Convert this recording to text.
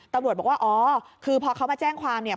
ตำรวจบอกว่าอ๋อคือพอเขามาแจ้งความเนี่ย